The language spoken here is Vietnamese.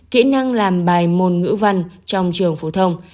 kỹ năng làm bài môn ngữ văn trong trường phổ thông